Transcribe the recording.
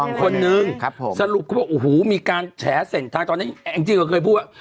เมื่อก่อนนี้คนนึงสรุปมีการแฉนเสร็จตอนนี้แองจิตเคยพูดว่า